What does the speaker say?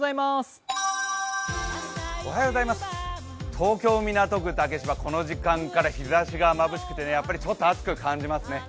東京・港区竹芝、この時間から日ざしがまぶしくて、やっぱりちょっと暑く感じますね。